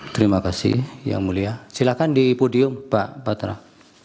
terima kasih yang mulia silakan di podium pak batra